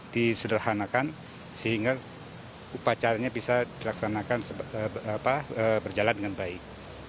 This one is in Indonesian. disederhanakan sehingga upacaranya bisa dilaksanakan berjalan dengan baik